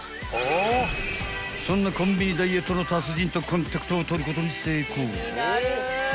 ［そんなコンビニダイエットの達人とコンタクトを取ることに成功］